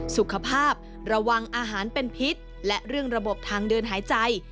สุขภาพระวังอาหารเป็นพิษและเรื่องระบบทางเดินหายใจ